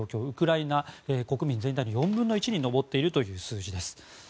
ウクライナ国民全体の４分の１に上っているという数字です。